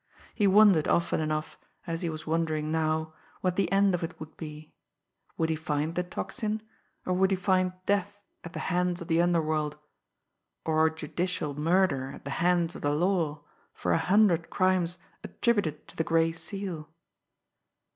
He wondered often enough, as he was wondering now, what the end of it would be would he find the Tocsin or would he find death at the hands of the underworld or judicial murder at the hands of the law for a hundred crimes attributed to the Gray Seal!